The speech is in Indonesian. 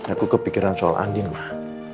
aku kepikiran soal andin mak